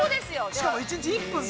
しかも１日１分で。